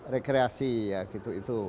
rekreasi ya gitu gitu